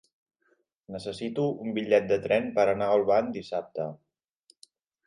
Necessito un bitllet de tren per anar a Olvan dissabte.